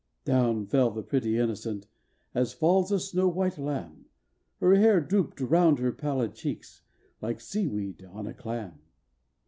Down fell that pretty innocent, as falls a snow white lamb, Her hair drooped round her pallid cheeks, like sea weed on a clam.